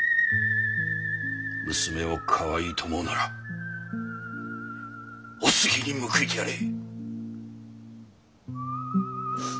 娘をかわいいと思うならお杉に報いてやれ。